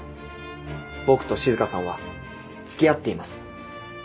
僕と静さんはつきあっています。